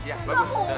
ya bagus udah